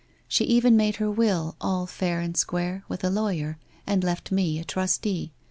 She even made her will all fair and square, with a lawyer, and left me a trustee.